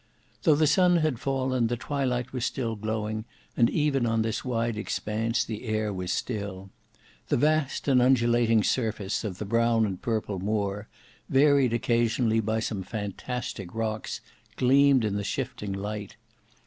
Though the sun had fallen, the twilight was still glowing, and even on this wide expanse the air was still. The vast and undulating surface of the brown and purple moor, varied occasionally by some fantastic rocks, gleamed in the shifting light.